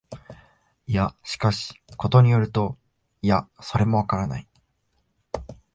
いや、しかし、ことに依ると、いや、それもわからない、